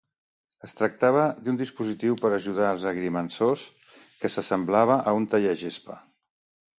Es tractava d'un dispositiu per ajudar els agrimensors que s'assemblava a un tallagespa.